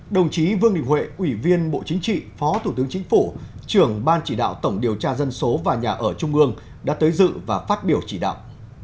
đồng chí vương đình huệ ủy viên bộ chính trị phó thủ tướng chính phủ trưởng ban chỉ đạo tổng điều tra dân số và nhà ở trung ương đã tới dự và phát biểu chỉ đạo